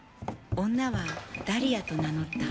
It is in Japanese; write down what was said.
女は「だりあ」と名乗った。